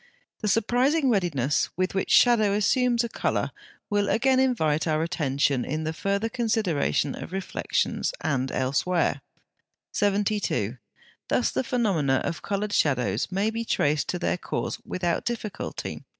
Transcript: The surprising readiness with which shadow assumes a colour will again invite our attention in the further consideration of reflections and elsewhere. 72. Thus the phenomena of coloured shadows may be traced to their cause without difficulty.